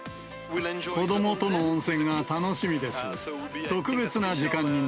子どもとの温泉が楽しみです。